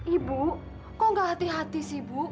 ibu kok gak hati hati sih bu